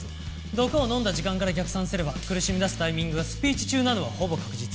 毒を飲んだ時間から逆算すれば苦しみだすタイミングがスピーチ中なのはほぼ確実。